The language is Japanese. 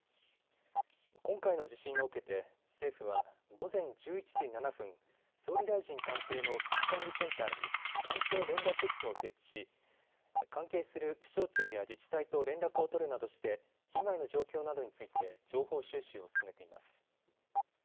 今回の地震を受けて政府は午前１１時７分、総理大臣官邸の危機管理センターに官邸連絡室を設置し関係する府省庁や自治体と連絡を取るなどして被害の状況などについて情報収集を進めています。